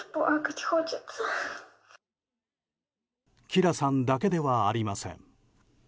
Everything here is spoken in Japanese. キラさんだけではありません。